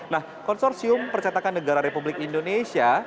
nah konsorsium percetakan negara republik indonesia